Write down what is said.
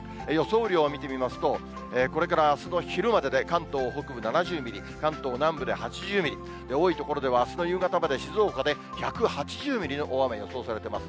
雨量を見てみますと、これからあすの昼までで、関東北部７０ミリ、関東南部で８０ミリ、多い所ではあすの夕方まで、静岡で１８０ミリの大雨予想されています。